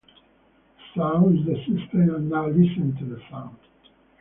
The sound is the system and now listen to the sound!